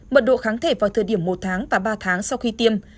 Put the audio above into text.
mật độ kháng thể vào thời điểm một tháng và ba tháng sau khi tiêm